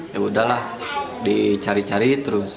ya udahlah dicari cari